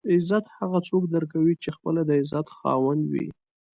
عزت هغه څوک درکوي چې خپله د عزت خاوند وي.